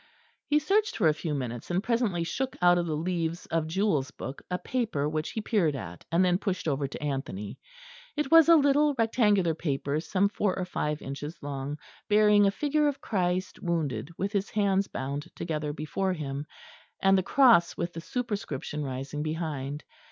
He searched for a few minutes, and presently shook out of the leaves of Jewell's book a paper which he peered at, and then pushed over to Anthony. It was a little rectangular paper, some four or five inches long; bearing a figure of Christ, wounded, with His hands bound together before Him, and the Cross with the superscription rising behind.